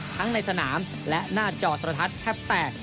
ทั้งในสนามและหน้าจอตรฐัสแทบแตก